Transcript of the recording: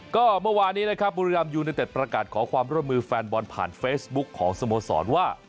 ก็เมื่อวานนี้นะครับบุรีรัมยูเนเต็ดประกาศขอความร่วมมือแฟนบอลผ่านเฟซบุ๊คของสโมสรว่า